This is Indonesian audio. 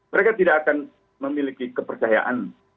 mereka tidak akan memiliki kepercayaan